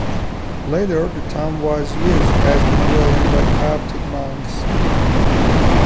Later, the tomb was used as a dwelling by Coptic monks.